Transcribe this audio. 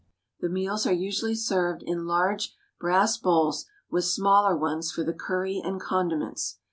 The meals are usually served in large brass bowls, with smaller ones for the curry and condiments.